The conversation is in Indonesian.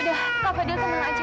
udah kava dia tenang aja